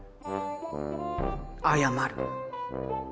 謝る？